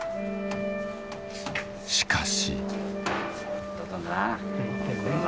しかし。